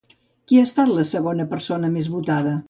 Qui ha estat la segona persona més votada?